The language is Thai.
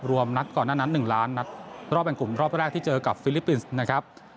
นัดก่อนหน้านั้น๑ล้านนัดรอบแบ่งกลุ่มรอบแรกที่เจอกับฟิลิปปินส์นะครับ